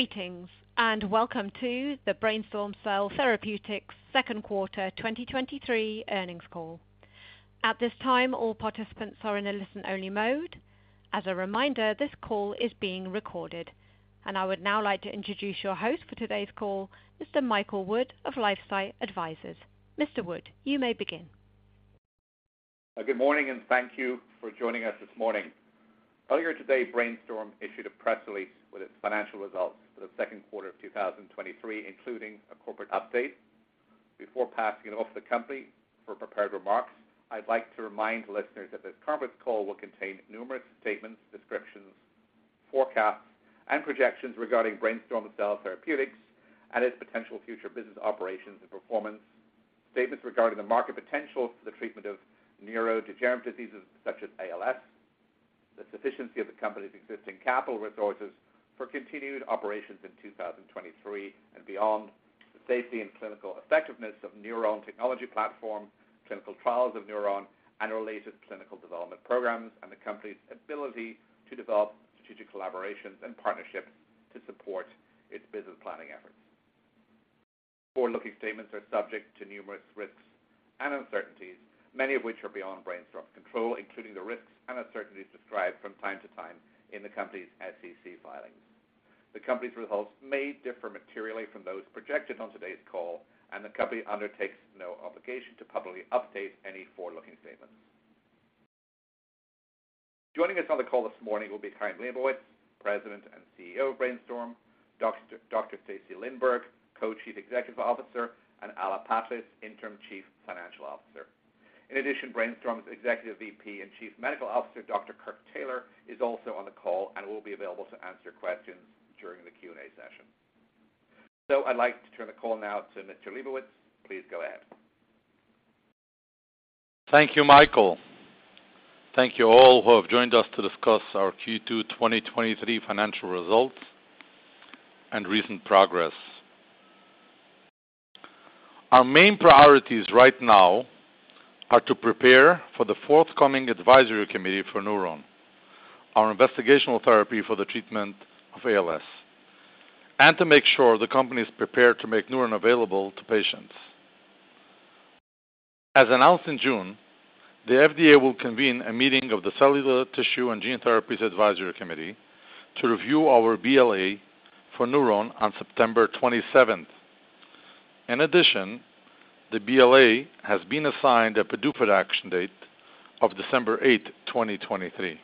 Greetings, welcome to the BrainStorm Cell Therapeutics second quarter 2023 earnings call. At this time, all participants are in a listen-only mode. As a reminder, this call is being recorded. I would now like to introduce your host for today's call, Mr. Michael Wood of LifeSci Advisors. Mr. Wood, you may begin. Good morning, and thank you for joining us this morning. Earlier today, BrainStorm issued a press release with its financial results for the second quarter of 2023, including a corporate update. Before passing it off to the company for prepared remarks, I'd like to remind listeners that this conference call will contain numerous statements, descriptions, forecasts, and projections regarding BrainStorm Cell Therapeutics and its potential future business operations and performance. Statements regarding the market potential for the treatment of neurodegenerative diseases, such as ALS, the sufficiency of the company's existing capital resources for continued operations in 2023 and beyond, the safety and clinical effectiveness of NurOwn technology platform, clinical trials of NurOwn, and related clinical development programs, and the company's ability to develop strategic collaborations and partnerships to support its business planning efforts. Forward-looking statements are subject to numerous risks and uncertainties, many of which are beyond BrainStorm's control, including the risks and uncertainties described from time to time in the company's SEC filings. The company's results may differ materially from those projected on today's call. The company undertakes no obligation to publicly update any forward-looking statements. Joining us on the call this morning will be Chaim Lebovits, President and Chief Executive Officer of BrainStorm, Dr. Stacy Lindborg, Co-Chief Executive Officer, and Alla Patlis, Interim Chief Financial Officer. In addition, BrainStorm's Executive Vice President and Chief Medical Officer, Dr. Kirk Taylor, is also on the call and will be available to answer questions during the Q&A session. I'd like to turn the call now to Mr. Lebovits. Please go ahead. Thank you, Michael. Thank you all who have joined us to discuss our Q2 2023 financial results and recent progress. Our main priorities right now are to prepare for the forthcoming advisory committee for NurOwn, our investigational therapy for the treatment of ALS, and to make sure the company is prepared to make NurOwn available to patients. As announced in June, the FDA will convene a meeting of the Cellular, Tissue, and Gene Therapies Advisory Committee to review our BLA for NurOwn on September 27th. In addition, the BLA has been assigned a PDUFA date of December 8th, 2023.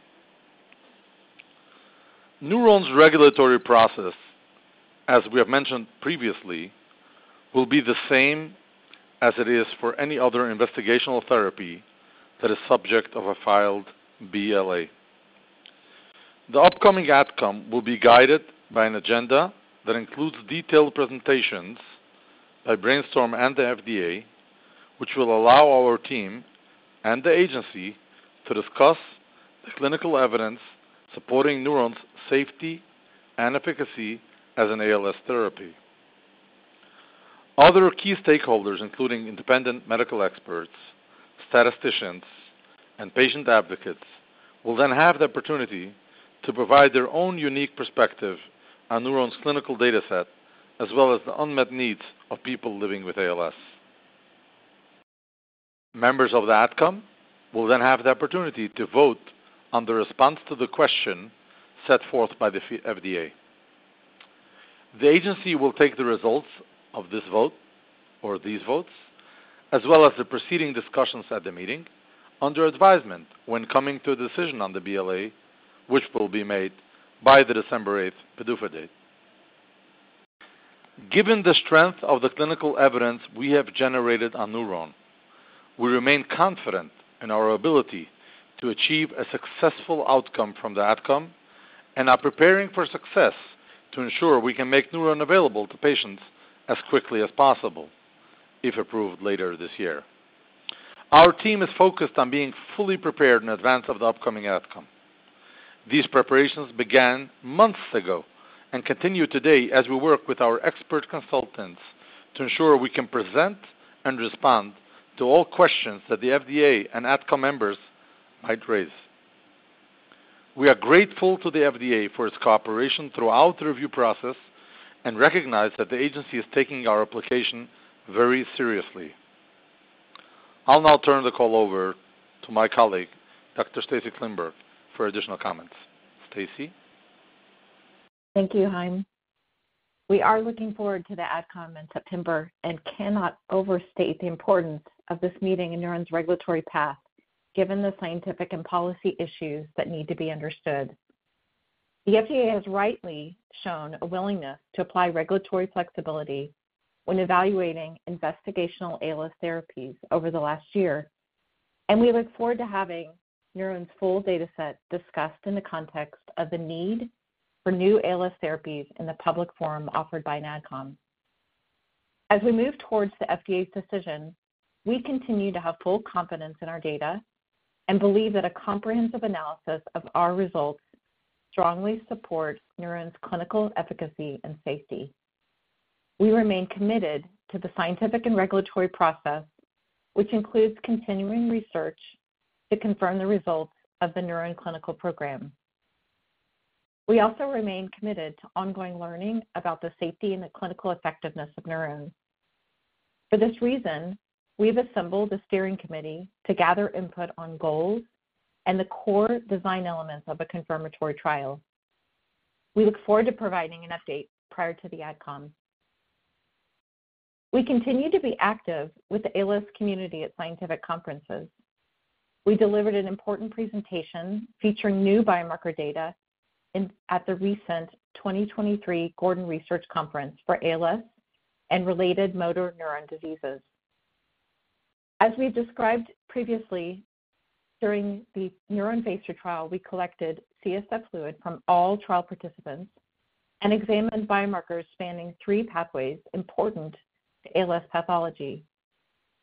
NurOwn's regulatory process, as we have mentioned previously, will be the same as it is for any other investigational therapy that is subject of a filed BLA. The upcoming outcome will be guided by an agenda that includes detailed presentations by BrainStorm and the FDA, which will allow our team and the agency to discuss the clinical evidence supporting NurOwn's safety and efficacy as an ALS therapy. Other key stakeholders, including independent medical experts, statisticians, and patient advocates, will then have the opportunity to provide their own unique perspective on NurOwn's clinical dataset, as well as the unmet needs of people living with ALS. Members of the outcome will then have the opportunity to vote on the response to the question set forth by the FDA. The agency will take the results of this vote, or these votes, as well as the preceding discussions at the meeting, under advisement when coming to a decision on the BLA, which will be made by the December 8th PDUFA date. Given the strength of the clinical evidence we have generated on NurOwn, we remain confident in our ability to achieve a successful outcome from the ADCOM and are preparing for success to ensure we can make NurOwn available to patients as quickly as possible if approved later this year. Our team is focused on being fully prepared in advance of the upcoming ADCOM. These preparations began months ago and continue today as we work with our expert consultants to ensure we can present and respond to all questions that the FDA and ADCOM members might raise. We are grateful to the FDA for its cooperation throughout the review process and recognize that the agency is taking our application very seriously. I'll now turn the call over to my colleague, Dr. Stacy Lindborg, for additional comments. Stacy? Thank you, Chaim. We are looking forward to the ADCOM in September and cannot overstate the importance of this meeting in NurOwn's regulatory path, given the scientific and policy issues that need to be understood. The FDA has rightly shown a willingness to apply regulatory flexibility when evaluating investigational ALS therapies over the last year, and we look forward to having NurOwn's full dataset discussed in the context of the need for new ALS therapies in the public forum offered by an ADCOM. As we move towards the FDA's decision, we continue to have full confidence in our data and believe that a comprehensive analysis of our results strongly supports NurOwn's clinical efficacy and safety.... We remain committed to the scientific and regulatory process, which includes continuing research to confirm the results of the NurOwn clinical program. We also remain committed to ongoing learning about the safety and the clinical effectiveness of NurOwn. For this reason, we've assembled a steering committee to gather input on goals and the core design elements of a confirmatory trial. We look forward to providing an update prior to the ADCOM. We continue to be active with the ALS community at scientific conferences. We delivered an important presentation featuring new biomarker data at the recent 2023 Gordon Research Conference for ALS and related motor neuron diseases. As we described previously, during the NurOwn Phase 2 trial, we collected CSF fluid from all trial participants and examined biomarkers spanning three pathways important to ALS pathology: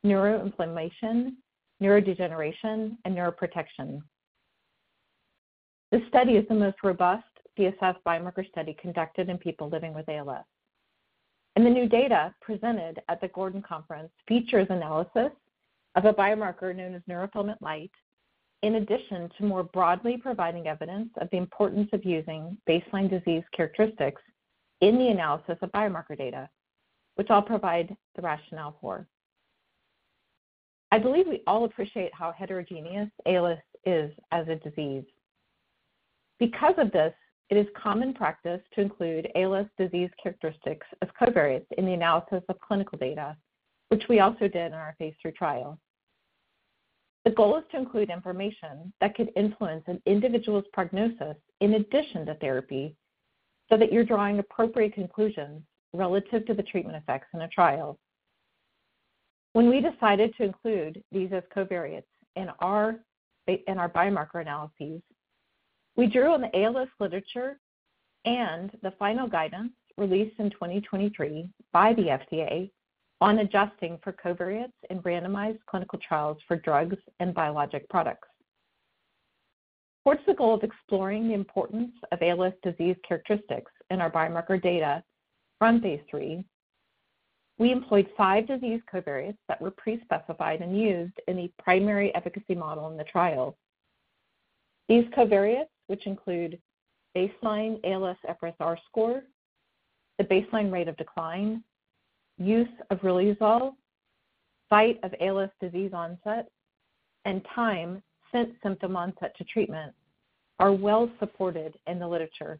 neuroinflammation, neurodegeneration, and neuroprotection. This study is the most robust CSF biomarker study conducted in people living with ALS. The new data presented at the Gordon Conference features analysis of a biomarker known as neurofilament light, in addition to more broadly providing evidence of the importance of using baseline disease characteristics in the analysis of biomarker data, which I'll provide the rationale for. I believe we all appreciate how heterogeneous ALS is as a disease. Because of this, it is common practice to include ALS disease characteristics as covariates in the analysis of clinical data, which we also did in our phase III trial. The goal is to include information that could influence an individual's prognosis in addition to therapy, so that you're drawing appropriate conclusions relative to the treatment effects in a trial. When we decided to include these as covariates in our, in our biomarker analyses, we drew on the ALS literature and the final guidance released in 2023 by the FDA on adjusting for covariates in randomized clinical trials for drugs and biologic products. Towards the goal of exploring the importance of ALS disease characteristics in our biomarker data from Phase III, we employed five disease covariates that were pre-specified and used in the primary efficacy model in the trial. These covariates, which include baseline ALSFRS-R score, the baseline rate of decline, use of Riluzole, site of ALS disease onset, and time since symptom onset to treatment, are well supported in the literature.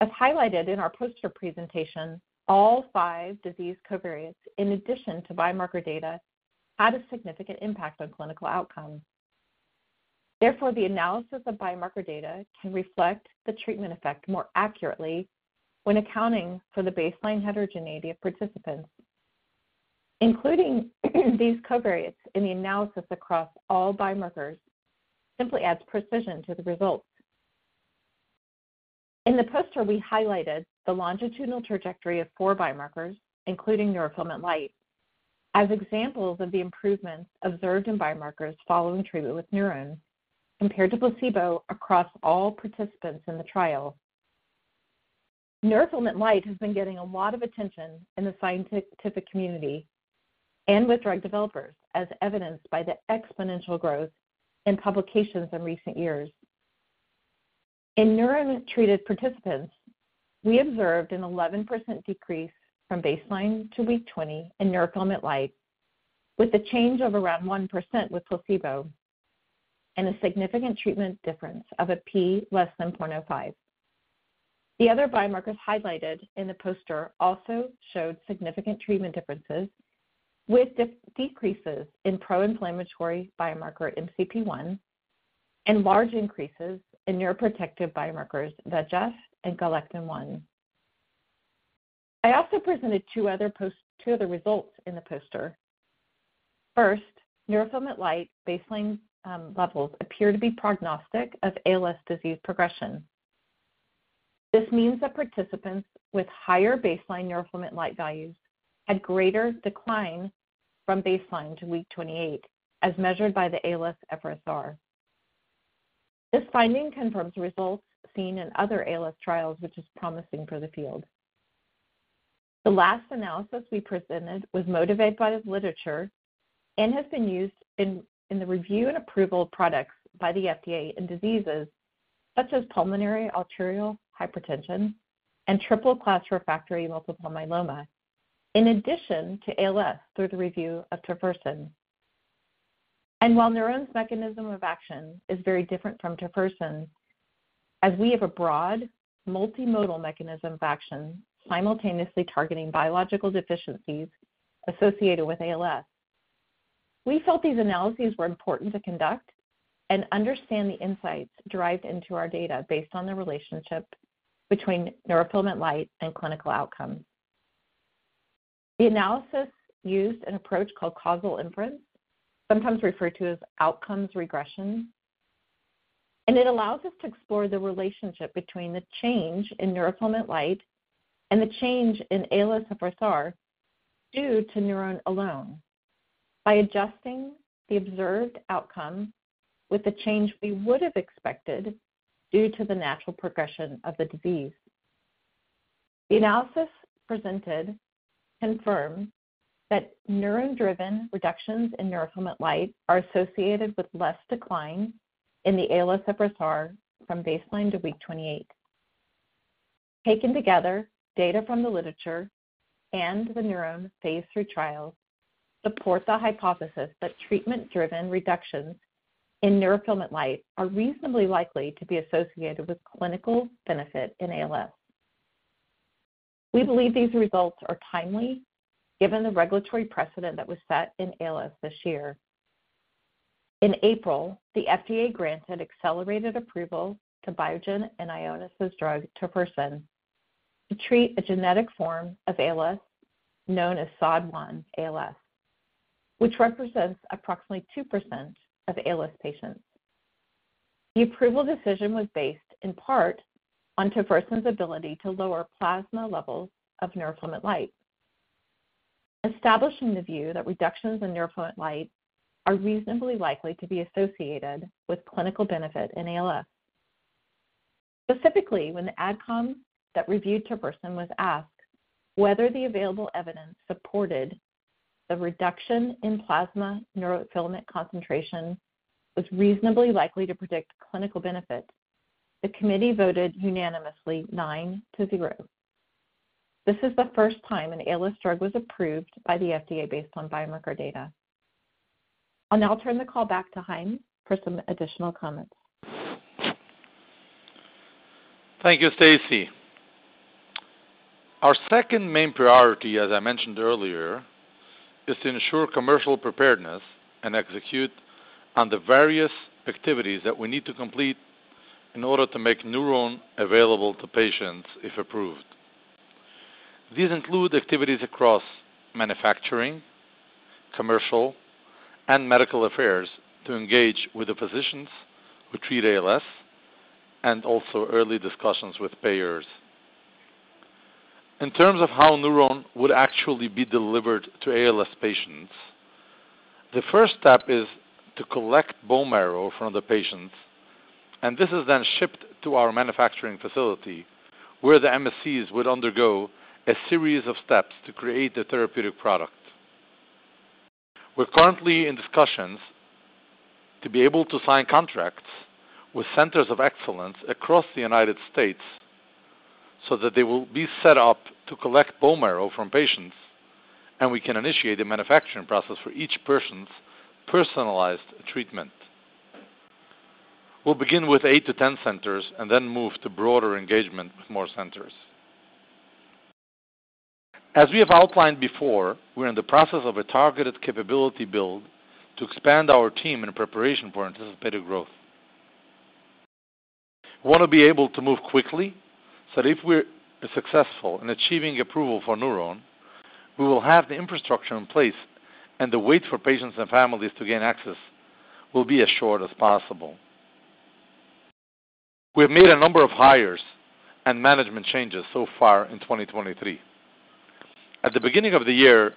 As highlighted in our poster presentation, all five disease covariates, in addition to biomarker data, had a significant impact on clinical outcomes. Therefore, the analysis of biomarker data can reflect the treatment effect more accurately when accounting for the baseline heterogeneity of participants. Including these covariates in the analysis across all biomarkers simply adds precision to the results. In the poster, we highlighted the longitudinal trajectory of four biomarkers, including Neurofilament light, as examples of the improvements observed in biomarkers following treatment with NurOwn compared to placebo across all participants in the trial. Neurofilament light has been getting a lot of attention in the scientific community and with drug developers, as evidenced by the exponential growth in publications in recent years. In NurOwn-treated participants, we observed an 11% decrease from baseline to week 20 in Neurofilament light, with a change of around 1% with placebo and a significant treatment difference of a p < 0.05. The other biomarkers highlighted in the poster also showed significant treatment differences, with decreases in pro-inflammatory biomarker MCP-1 and large increases in neuroprotective biomarkers, VEGF and Galectin-1. I also presented two other results in the poster. First, neurofilament light baseline levels appear to be prognostic of ALS disease progression. This means that participants with higher baseline neurofilament light values had greater decline from baseline to week 28, as measured by the ALSFRS-R. This finding confirms results seen in other ALS trials, which is promising for the field. The last analysis we presented was motivated by this literature and has been used in, in the review and approval of products by the FDA in diseases such as pulmonary arterial hypertension and triple class refractory multiple myeloma, in addition to ALS through the review of tofersen. While NurOwn's mechanism of action is very different from tofersen, as we have a broad multimodal mechanism of action simultaneously targeting biological deficiencies associated with ALS, we felt these analyses were important to conduct and understand the insights derived into our data based on the relationship between neurofilament light and clinical outcomes. The analysis used an approach called causal inference, sometimes referred to as outcomes regression, and it allows us to explore the relationship between the change in neurofilament light and the change in ALSFRS-R due to NurOwn alone. By adjusting the observed outcome with the change we would have expected due to the natural progression of the disease. The analysis presented confirms that NurOwn-driven reductions in neurofilament light are associated with less decline in the ALSFRS-R from baseline to week 28. Taken together, data from the literature and the NurOwn phase 3 trials support the hypothesis that treatment-driven reductions in neurofilament light are reasonably likely to be associated with clinical benefit in ALS. We believe these results are timely, given the regulatory precedent that was set in ALS this year. In April, the FDA granted accelerated approval to Biogen and Ionis's drug tofersen to treat a genetic form of ALS, known as SOD1-ALS, which represents approximately 2% of ALS patients. The approval decision was based in part on Tofersen's ability to lower plasma levels of neurofilament light, establishing the view that reductions in neurofilament light are reasonably likely to be associated with clinical benefit in ALS. Specifically, when the ADCOM that reviewed Tofersen was asked whether the available evidence supported the reduction in plasma neurofilament concentration was reasonably likely to predict clinical benefit, the committee voted unanimously nine to zero. This is the first time an ALS drug was approved by the FDA based on biomarker data. I'll now turn the call back to Chaim for some additional comments. Thank you, Stacy. Our second main priority, as I mentioned earlier, is to ensure commercial preparedness and execute on the various activities that we need to complete in order to make NurOwn available to patients if approved. These include activities across manufacturing, commercial and medical affairs to engage with the physicians who treat ALS and also early discussions with payers. In terms of how NurOwn would actually be delivered to ALS patients, the first step is to collect bone marrow from the patients. This is then shipped to our manufacturing facility, where the MSCs would undergo a series of steps to create a therapeutic product. We're currently in discussions to be able to sign contracts with centers of excellence across the United States so that they will be set up to collect bone marrow from patients. We can initiate a manufacturing process for each person's personalized treatment. We'll begin with eight to 10 centers and then move to broader engagement with more centers. As we have outlined before, we're in the process of a targeted capability build to expand our team in preparation for anticipated growth. We want to be able to move quickly so that if we're successful in achieving approval for NurOwn, we will have the infrastructure in place and the wait for patients and families to gain access will be as short as possible. We have made a number of hires and management changes so far in 2023. At the beginning of the year,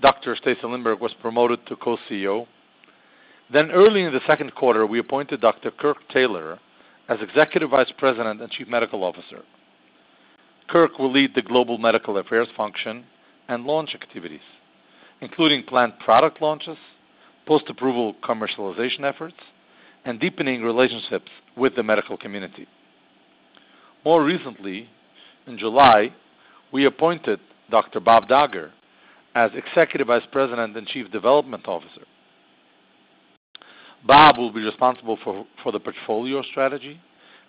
Dr. Stacy Lindborg was promoted to Co-CEO. Early in the second quarter, we appointed Dr. Kirk Taylor as Executive Vice President and Chief Medical Officer. Kirk will lead the global medical affairs function and launch activities, including planned product launches, post-approval commercialization efforts, and deepening relationships with the medical community. More recently, in July, we appointed Dr. Bob Dagher as Executive Vice President and Chief Development Officer. Bob will be responsible for the portfolio strategy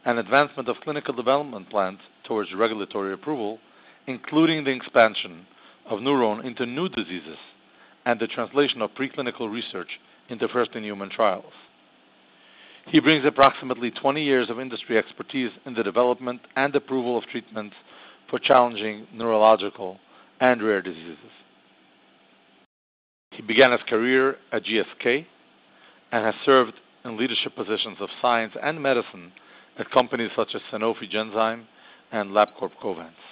and advancement of clinical development plans towards regulatory approval, including the expansion of NurOwn into new diseases and the translation of preclinical research into first-in-human trials. He brings approximately 20 years of industry expertise in the development and approval of treatments for challenging neurological and rare diseases. He began his career at GSK and has served in leadership positions of science and medicine at companies such as Sanofi Genzyme and LabCorp/Covance.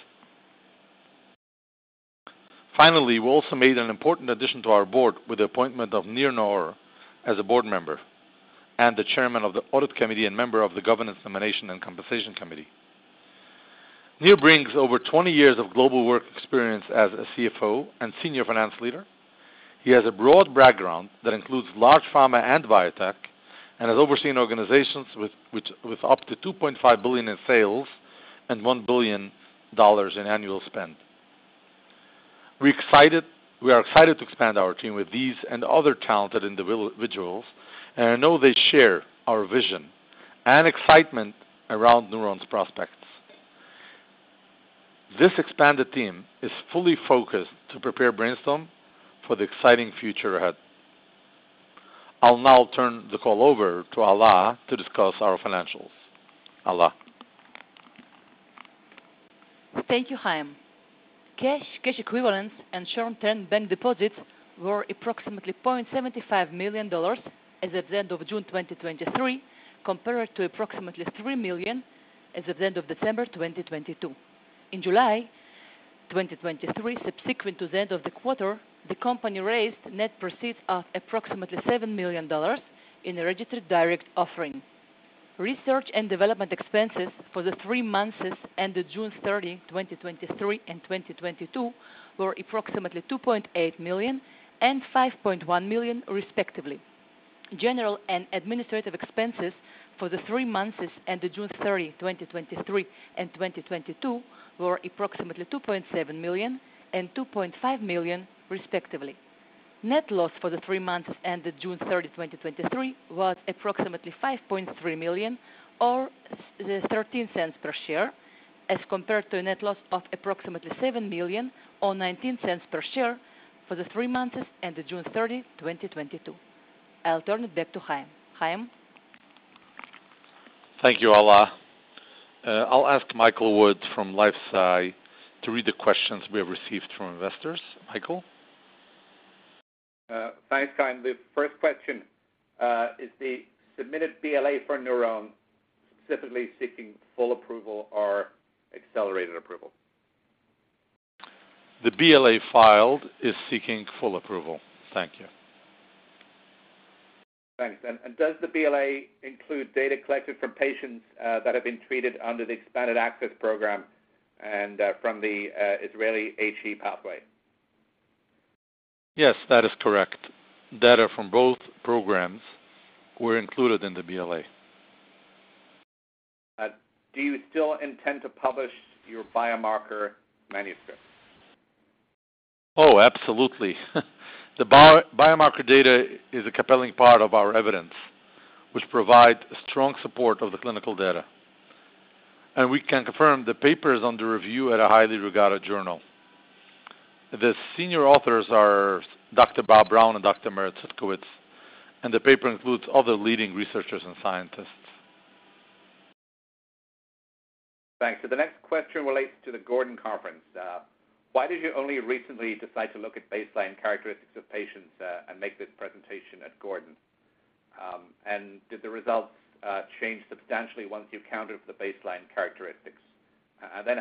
We also made an important addition to our board with the appointment of Nir Naor as a board member and the chairman of the Audit Committee and member of the Governance Nomination and Compensation Committee. Nir brings over 20 years of global work experience as a CFO and senior finance leader. He has a broad background that includes large pharma and biotech and has overseen organizations with up to $2.5 billion in sales and $1 billion in annual spend. We are excited to expand our team with these and other talented individuals, and I know they share our vision and excitement around NurOwn's prospects. This expanded team is fully focused to prepare BrainStorm for the exciting future ahead. I'll now turn the call over to Alla to discuss our financials. Alla? Thank you, Chaim. Cash, cash equivalents and short-term bank deposits were approximately $0.75 million as of the end of June 2023, compared to approximately $3 million as of the end of December 2022. In July 2023, subsequent to the end of the quarter, the company raised net proceeds of approximately $7 million in a registered direct offering. Research and development expenses for the three months ended June 30, 2023 and 2022 were approximately $2.8 million and $5.1 million, respectively. General and administrative expenses for the three months ended June 30, 2023 and 2022 were approximately $2.7 million and $2.5 million, respectively. Net loss for the three months ended June 30, 2023, was approximately $5.3 million, or $0.13 per share, as compared to a net loss of approximately $7 million or $0.19 per share for the three months ended June 30, 2022. I'll turn it back to Chaim. Chaim? Thank you, Alla. I'll ask Michael Wood from LifeSci to read the questions we have received from investors. Michael? Thanks, Chaim. The first question, is the submitted BLA for NurOwn specifically seeking full approval or accelerated approval? The BLA filed is seeking full approval. Thank you. Thanks. and, and does the BLA include data collected from patients that have been treated under the Expanded Access Program and from the Israeli HE pathway? Yes, that is correct. Data from both programs were included in the BLA. Do you still intend to publish your biomarker manuscript? Oh, absolutely. The biomarker data is a compelling part of our evidence, which provide strong support of the clinical data. We can confirm the paper is under review at a highly regarded journal. The senior authors are Dr. Bob Brown and Dr. Merit Cudkowicz. The paper includes other leading researchers and scientists. Thanks. The next question relates to the Gordon Conference. Why did you only recently decide to look at baseline characteristics of patients and make this presentation at Gordon? Did the results change substantially once you've accounted for the baseline characteristics?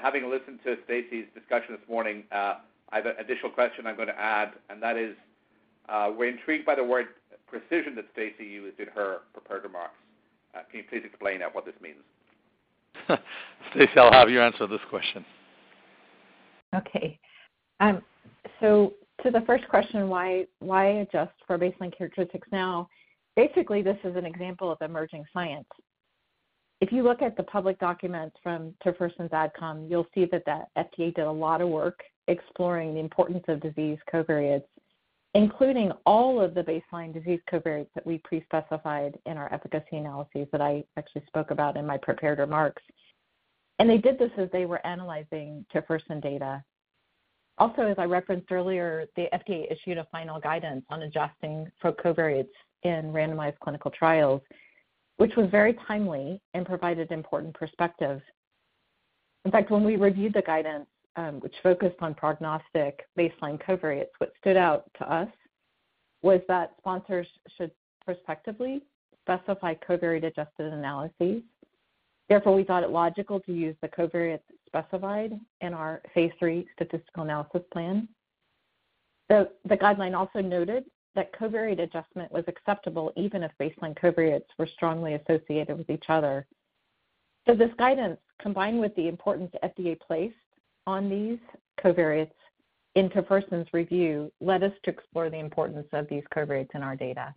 Having listened to Stacy's discussion this morning, I have an additional question I'm going to add, that is, we're intrigued by the word precision that Stacy used in her prepared remarks. Can you please explain what this means? Stacy, I'll have you answer this question. Okay. To the first question, why, why adjust for baseline characteristics now? Basically, this is an example of emerging science. If you look at the public documents from tofersen's outcome, you'll see that the FDA did a lot of work exploring the importance of disease covariates, including all of the baseline disease covariates that we pre-specified in our efficacy analyses that I actually spoke about in my prepared remarks. They did this as they were analyzing tofersen data. Also, as I referenced earlier, the FDA issued a final guidance on adjusting for covariates in randomized clinical trials, which was very timely and provided important perspective. In fact, when we reviewed the guidance, which focused on prognostic baseline covariates, what stood out to us was that sponsors should prospectively specify covariate-adjusted analyses. Therefore, we thought it logical to use the covariates specified in our phase three statistical analysis plan. The guideline also noted that covariate adjustment was acceptable even if baseline covariates were strongly associated with each other. This guidance, combined with the importance the FDA placed on these covariates in tofersen's review, led us to explore the importance of these covariates in our data.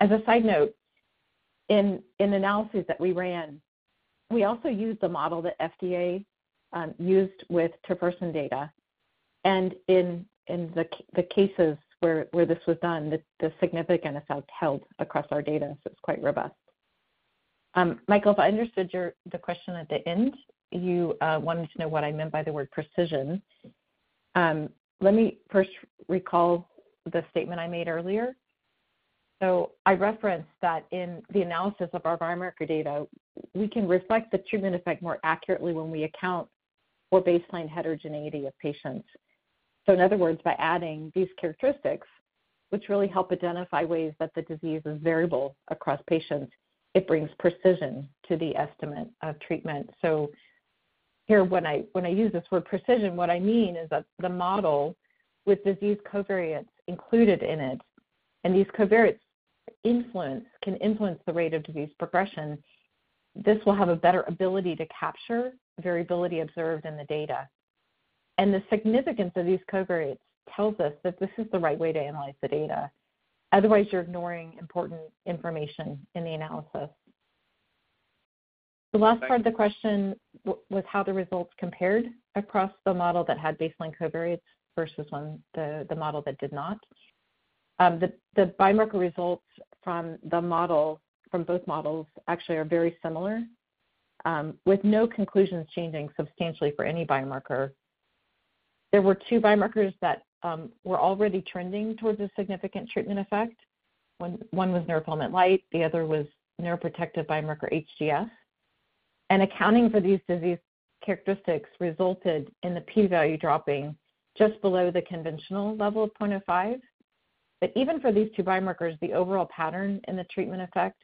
As a side note, in analyses that we ran, we also used the model that FDA used with tofersen data, and in the cases where this was done, the significant results held across our data, so it's quite robust. Michael, if I understood your the question at the end, you wanted to know what I meant by the word precision. Let me first recall the statement I made earlier. I referenced that in the analysis of our biomarker data, we can reflect the treatment effect more accurately when we account for baseline heterogeneity of patients. In other words, by adding these characteristics, which really help identify ways that the disease is variable across patients, it brings precision to the estimate of treatment. Here, when I, when I use this word precision, what I mean is that the model with disease covariates included in it, and these covariates influence can influence the rate of disease progression, this will have a better ability to capture variability observed in the data. The significance of these covariates tells us that this is the right way to analyze the data. Otherwise, you're ignoring important information in the analysis. The last part of the question was how the results compared across the model that had baseline covariates versus when the, the model that did not. The biomarker results from the model, from both models, actually are very similar, with no conclusions changing substantially for any biomarker. There were two biomarkers that were already trending towards a significant treatment effect. One was Neurofilament light, the other was neuroprotective biomarker HGF. Accounting for these disease characteristics resulted in the p-value dropping just below the conventional level of 0.05. Even for these two biomarkers, the overall pattern in the treatment effect,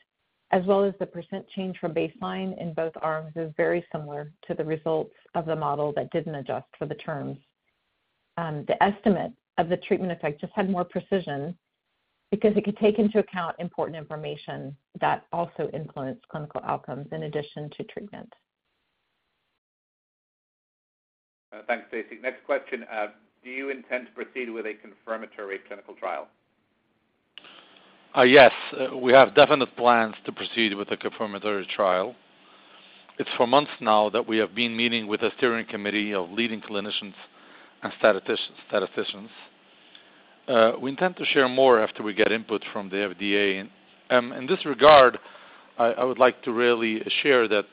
as well as the percent change from baseline in both arms, is very similar to the results of the model that didn't adjust for the terms. The estimate of the treatment effect just had more precision because it could take into account important information that also influenced clinical outcomes in addition to treatment. Thanks, Stacy. Next question. Do you intend to proceed with a confirmatory clinical trial? Yes. We have definite plans to proceed with the confirmatory trial. It's for months now that we have been meeting with a steering committee of leading clinicians and statisticians. We intend to share more after we get input from the FDA. In this regard, I, I would like to really share that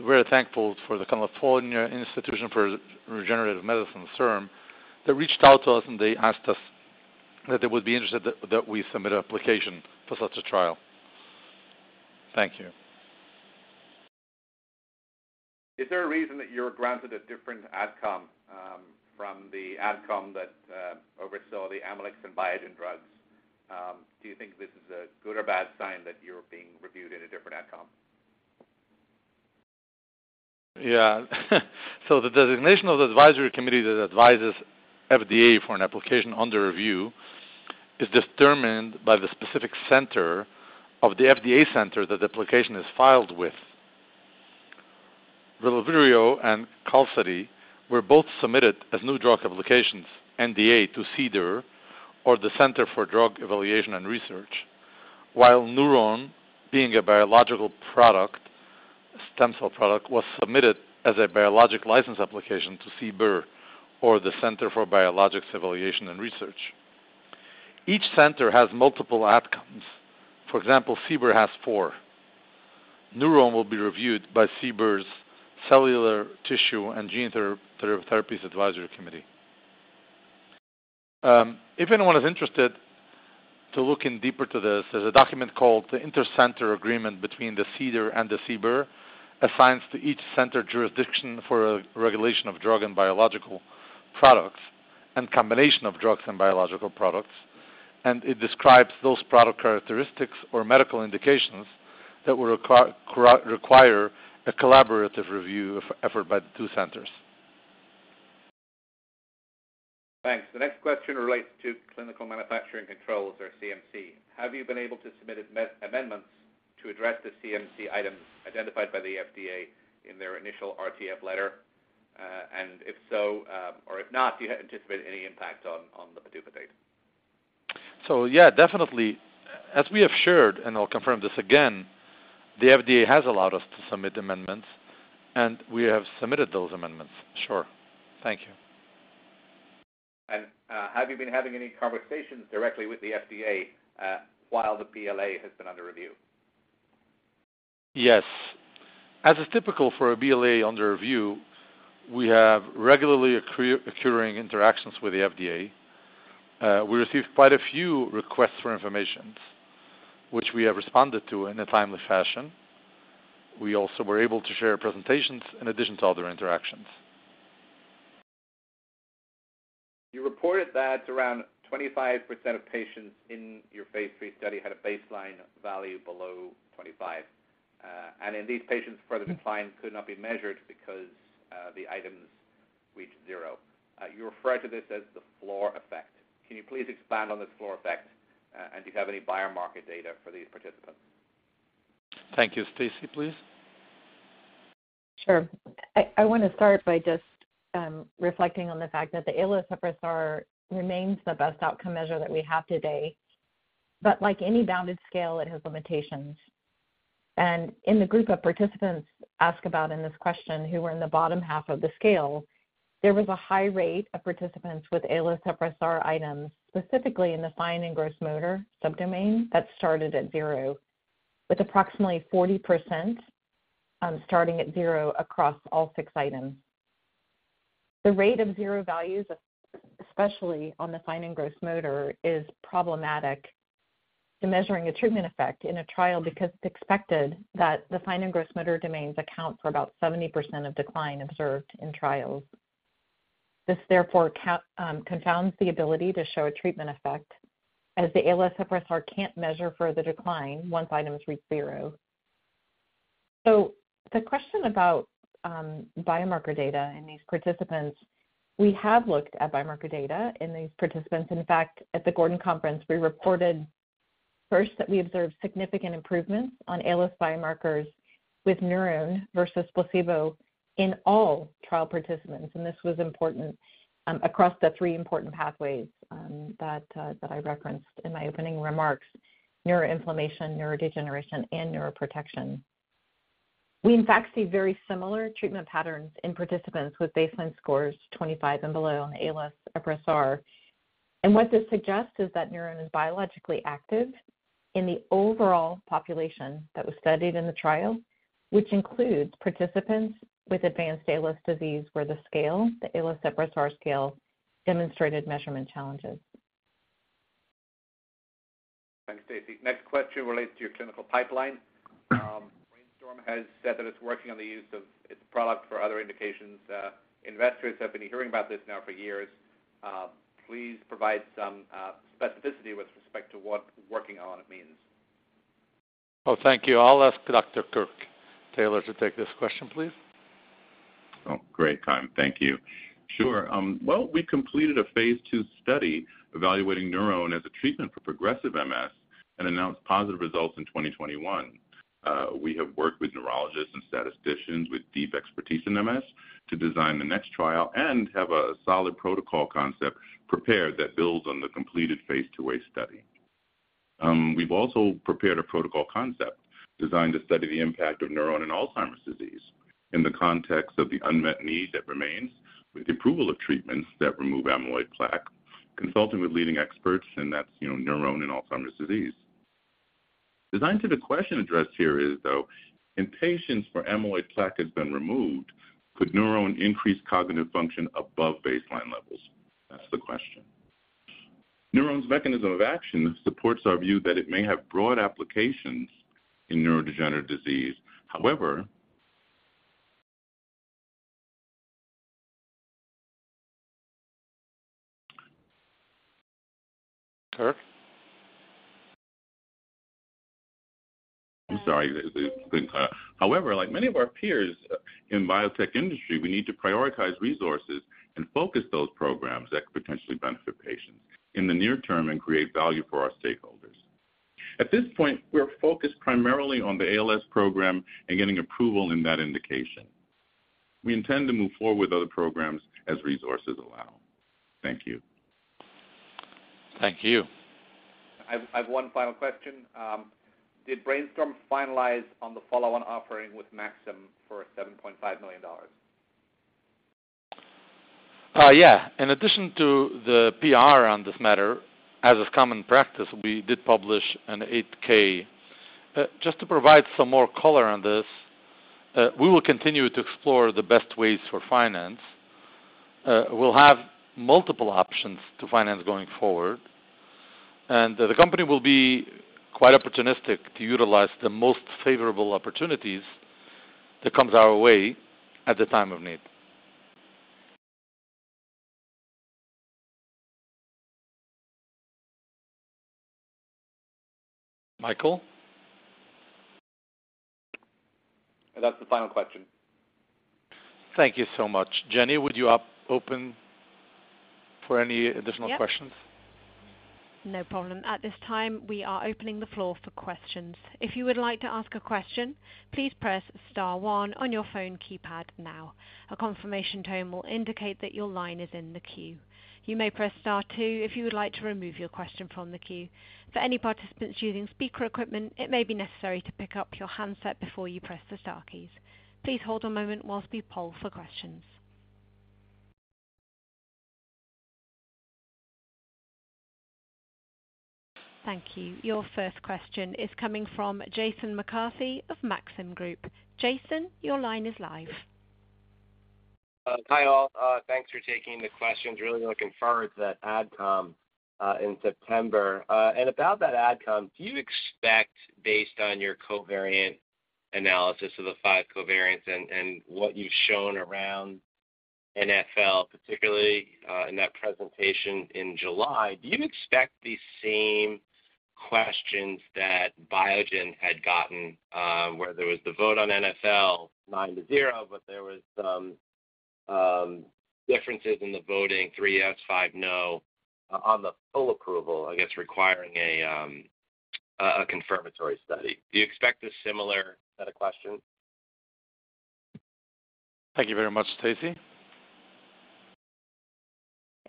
we're thankful for the California Institute for Regenerative Medicine, CIRM. They reached out to us, and they asked us that they would be interested that, that we submit an application for such a trial. Thank you. Is there a reason that you were granted a different outcome, from the outcome that oversaw the Amylyx and Biogen drugs? Do you think this is a good or bad sign that you're being reviewed at a different outcome? Yeah. The designation of the advisory committee that advises FDA for an application under review is determined by the specific center of the FDA center that the application is filed with. Relyvrio and Qalsody were both submitted as New Drug Applications, NDA, to CDER, or the Center for Drug Evaluation and Research, while NurOwn, being a biological product, stem cell product, was submitted as a Biologics License Application to CBER, or the Center for Biologics Evaluation and Research. Each center has multiple outcomes. For example, CBER has 4. NurOwn will be reviewed by CBER's Cellular, Tissue, and Gene Therapies Advisory Committee. If anyone is interested to look in deeper to this, there's a document called the Intercenter Agreement between the CDER and the CBER, assigns to each center jurisdiction for a regulation of drug and biological products and combination of drugs and biological products. It describes those product characteristics or medical indications that would require a collaborative review of effort by the two centers. Thanks. The next question relates to clinical manufacturing controls or CMC. Have you been able to submit amendments to address the CMC items identified by the FDA in their initial RTF letter? If so, or if not, do you anticipate any impact on the PDUFA date? Yeah, definitely. As we have shared, and I'll confirm this again, the FDA has allowed us to submit amendments, and we have submitted those amendments. Sure. Thank you. Have you been having any conversations directly with the FDA, while the BLA has been under review? Yes. As is typical for a BLA under review, we have regularly occurring interactions with the FDA. We received quite a few requests for information, which we have responded to in a timely fashion. We also were able to share presentations in addition to other interactions. You reported that around 25% of patients in your phase 3 study had a baseline value below 25. In these patients, further decline could not be measured because the items reached zero. You referred to this as the floor effect. Can you please expand on this floor effect? Do you have any biomarker data for these participants? Thank you. Stacy, please. Sure. I, I want to start by just reflecting on the fact that the ALSFRS-R remains the best outcome measure that we have today. But like any bounded scale, it has limitations. And in the group of participants asked about in this question, who were in the bottom half of the scale, there was a high rate of participants with ALSFRS-R items, specifically in the fine and gross motor subdomain, that started at zero, with approximately 40% starting at zero across all six items. The rate of zero values, especially on the fine and gross motor, is problematic to measuring a treatment effect in a trial because it's expected that the fine and gross motor domains account for about 70% of decline observed in trials. This, therefore, count, confounds the ability to show a treatment effect, as the ALSFRS-R can't measure further decline once items reach zero. So the question about biomarker data in these participants, we have looked at biomarker data in these participants. In fact, at the Gordon Research Conference, we reported first that we observed significant improvements on ALS biomarkers with NurOwn versus placebo in all trial participants, and this was important across the three important pathways that I referenced in my opening remarks: neuroinflammation, neurodegeneration, and neuroprotection. We in fact see very similar treatment patterns in participants with baseline scores 25 and below on ALSFRS-R. What this suggests is that NurOwn is biologically active in the overall population that was studied in the trial, which includes participants with advanced ALS disease, where the scale, the ALSFRS-R scale, demonstrated measurement challenges.... Thanks, Stacy. Next question relates to your clinical pipeline. BrainStorm has said that it's working on the use of its prod.ct for other indications. Investors have been hearing about this now for years. Please provide some specificity with respect to what working on it means. Oh, thank you. I'll ask Dr. Kirk Taylor to take this question, please. Oh, great, Chaim. Thank you. Sure. Well, we completed a phase 2 study evaluating NurOwn as a treatment for Progressive MS and announced positive results in 2021. We have worked with neurologists and statisticians with deep expertise in MS to design the next trial and have a solid protocol concept prepared that builds on the completed phase 2 study. We've also prepared a protocol concept designed to study the impact of NurOwn and Alzheimer's disease in the context of the unmet need that remains with the approval of treatments that remove amyloid plaque, consulting with leading experts, and that's, you know, NurOwn and Alzheimer's disease. Designed to the question addressed here is, though, in patients where amyloid plaque has been removed, could NurOwn increase cognitive function above baseline levels? That's the question. NurOwn's mechanism of action supports our view that it may have broad applications in neurodegenerative disease. However. Kirk? I'm sorry. However, like many of our peers in biotech industry, we need to prioritize resources and focus those programs that potentially benefit patients in the near term and create value for our stakeholders. At this point, we're focused primarily on the ALS program and getting approval in that indication. We intend to move forward with other programs as resources allow. Thank you. Thank you. I've, I've one final question. Did BrainStorm finalize on the follow-on offering with Maxim for $7.5 million? Yeah. In addition to the PR on this matter, as is common practice, we did publish an 8-K. Just to provide some more color on this, we will continue to explore the best ways for finance. We'll have multiple options to finance going forward, and the company will be quite opportunistic to utilize the most favorable opportunities that comes our way at the time of need. Michael? That's the final question. Thank you so much. Jenny, would you open for any additional questions? Yes. No problem. At this time, we are opening the floor for questions. If you would like to ask a question, please press star 1 on your phone keypad now. A confirmation tone will indicate that your line is in the queue. You may press star 2 if you would like to remove your question from the queue. For any participants using speaker equipment, it may be necessary to pick up your handset before you press the star keys. Please hold a moment whilst we poll for questions. Thank you. Your first question is coming from Jason McCarthy of Maxim Group. Jason, your line is live. Hi, all. Thanks for taking the questions. Really looking forward to that ADCOM in September. About that ADCOM, do you expect, based on your covariate analysis of the five covariates and what you've shown around NfL, particularly, in that presentation in July, do you expect the same questions that Biogen had gotten, where there was the vote on NfL, 9 to 0, but there was some differences in the voting, 3 yes, 5 no, on the full approval, I guess, requiring a confirmatory trial? Do you expect a similar set of questions? Thank you very much, Stacy.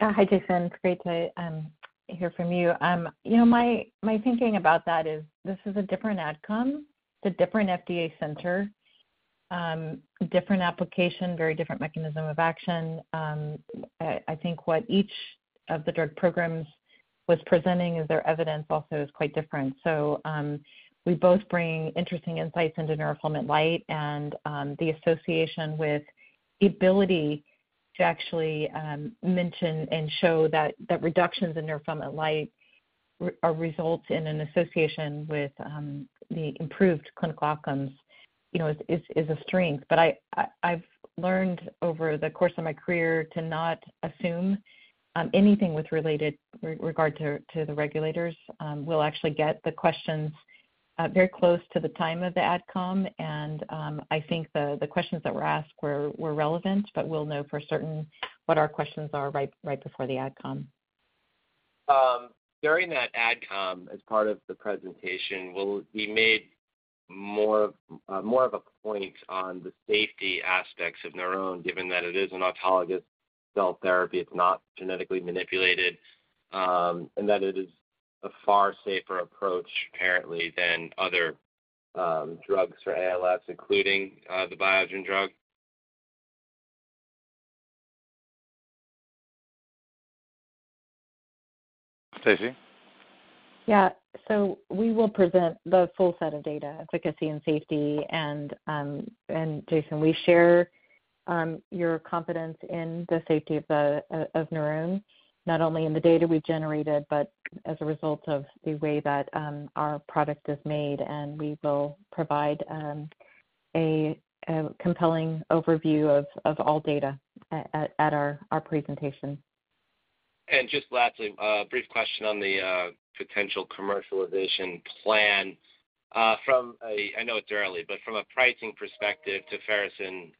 Hi, Jason. Great to hear from you. You know, my, my thinking about that is this is a different Ad Com, it's a different FDA center, different application, very different mechanism of action. I, I think what each of the drug programs was presenting as their evidence also is quite different. We both bring interesting insights into neurofilament light and the association with the ability to actually mention and show that, that reductions in neurofilament light results in an association with the improved clinical outcomes, you know, is, is a strength. I, I, I've learned over the course of my career to not assume anything with related regard to, to the regulators. We'll actually get the questions, very close to the time of the ADCOM, and, I think the, the questions that were asked were, were relevant, but we'll know for certain what our questions are right, right before the ADCOM. during that ADCOM, as part of the presentation, will we made more of, more of a point on the safety aspects of NurOwn, given that it is an autologous cell therapy, it's not genetically manipulated, and that it is a far safer approach, apparently, than other, drugs for ALS, including, the Biogen drug? Stacy? Yeah. We will present the full set of data, efficacy and safety. Jason, we your confidence in the safety of the, of, of NurOwn, not only in the data we generated, but as a result of the way that our product is made. We will provide a, a compelling overview of, of all data at, at, at our, our presentation. Just lastly, a brief question on the potential commercialization plan. From a, I know it's early, but from a pricing perspective Tofersen,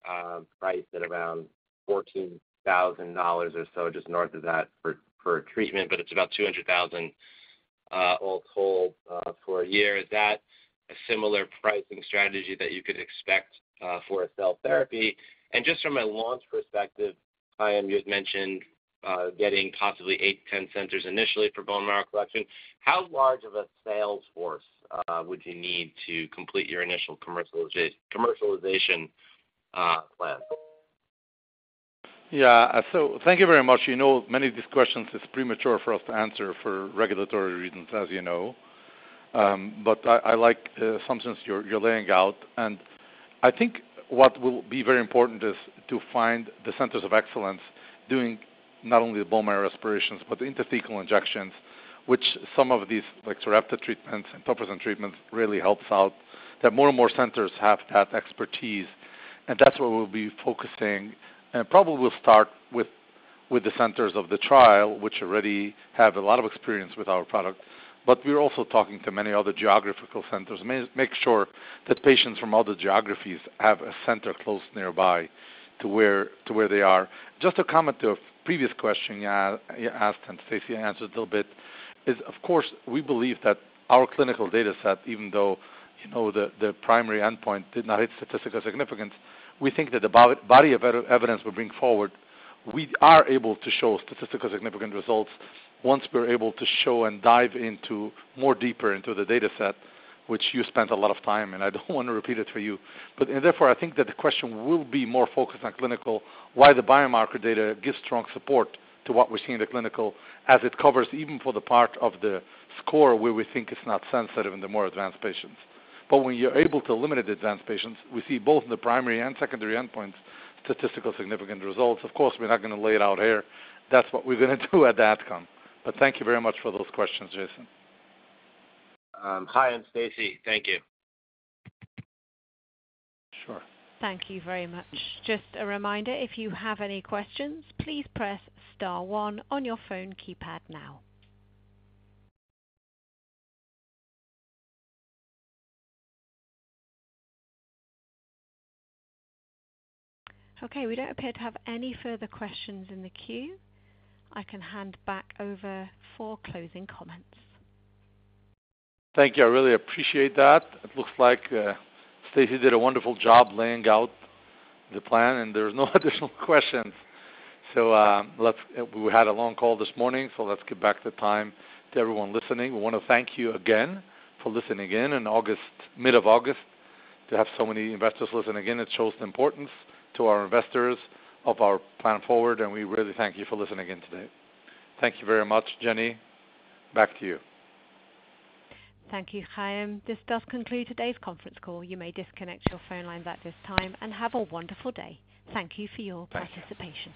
priced at around $14,000 or so, just north of that for, for a treatment, but it's about $200,000 all told, for a year. Is that a similar pricing strategy that you could expect for a cell therapy? Just from a launch perspective, Chaim, you had mentioned getting possibly 8-10 centers initially for bone marrow collection. How large of a sales force would you need to complete your initial commercialization plan? Yeah. Thank you very much. You know, many of these questions is premature for us to answer for regulatory reasons, as you know. I, I like the assumptions you're, you're laying out. I think what will be very important is to find the centers of excellence doing not only the bone marrow aspirations, but the intrathecal injections, which some of these, like, Sarepta treatments and tofersen treatments, really helps out, that more and more centers have that expertise. That's where we'll be focusing. Probably we'll start with, with the centers of the trial, which already have a lot of experience with our product. We're also talking to many other geographical centers, make sure that patients from other geographies have a center close nearby to where, to where they are. Just a comment to a previous question you asked, and Stacy answered a little bit, is, of course, we believe that our clinical data set, even though, you know, the primary endpoint did not hit statistical significance, we think that the body of evidence we bring forward, we are able to show statistical significant results once we're able to show and dive into more deeper into the dataset, which you spent a lot of time, and I don't want to repeat it for you. Therefore, I think that the question will be more focused on clinical, why the biomarker data gives strong support to what we see in the clinical as it covers even for the part of the score, where we think it's not sensitive in the more advanced patients. When you're able to eliminate the advanced patients, we see both in the primary and secondary endpoints, statistical significant results. Of course, we're not going to lay it out here. That's what we're going to do at the outcome. Thank you very much for those questions, Jason. Chaim, Stacy, thank you. Sure. Thank you very much. Just a reminder, if you have any questions, please press star one on your phone keypad now. Okay, we don't appear to have any further questions in the queue. I can hand back over for closing comments. Thank you. I really appreciate that. It looks like Stacy did a wonderful job laying out the plan. There's no additional questions. We had a long call this morning, so let's get back the time to everyone listening. We want to thank you again for listening in, in August, mid of August. To have so many investors listen again, it shows the importance to our investors of our plan forward, and we really thank you for listening in today. Thank you very much, Jenny. Back to you. Thank you, Chaim. This does conclude today's conference call. You may disconnect your phone lines at this time and have a wonderful day. Thank you for your participation.